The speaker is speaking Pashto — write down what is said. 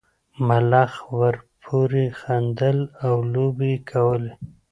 ملخ ورپورې خندل او لوبې یې کولې.